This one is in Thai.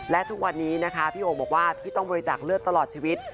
และทุกวันนี้นะคะพี่โอบอกว่าพี่ต้องบริจาคเลือดตลอดชีวิต